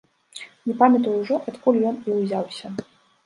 Не памятаю ўжо, адкуль ён і ўзяўся.